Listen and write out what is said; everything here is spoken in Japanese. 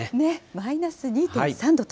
マイナス２．３度と。